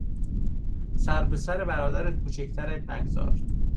سر به سر برادر کوچکترت نگذار!